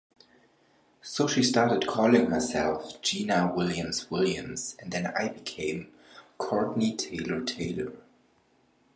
So she started calling herself Gina Williams-Williams, and then I became Courtney Taylor-Taylor.